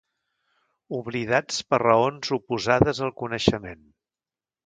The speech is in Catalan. Oblidats per raons oposades al coneixement.